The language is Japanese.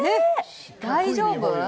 大丈夫？